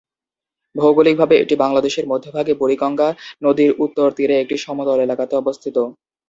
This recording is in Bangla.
ভৌগোলিকভাবে এটি বাংলাদেশের মধ্যভাগে বুড়িগঙ্গা নদীর উত্তর তীরে একটি সমতল এলাকাতে অবস্থিত।